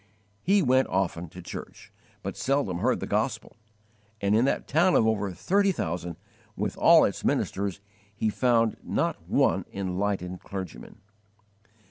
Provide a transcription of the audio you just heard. He went often to church, but seldom heard the Gospel, and in that town of over 30,000, with all its ministers, he found not one enlightened clergyman.